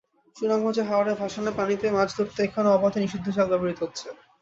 সুনামগঞ্জে হাওরের ভাসান পানিতে মাছ ধরতে এখন অবাধে নিষিদ্ধ জাল ব্যবহৃত হচ্ছে।